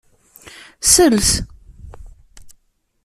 Sels.